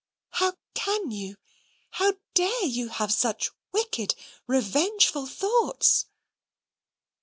"How can you how dare you have such wicked, revengeful thoughts?"